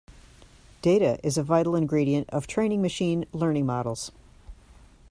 Data is a vital ingredient of training machine learning models.